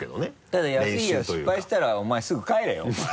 ただ安平失敗したらお前すぐ帰れよお前。